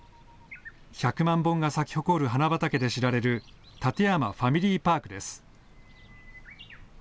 １００万本が咲き誇る花畑で知られる館山ファミリーパークです。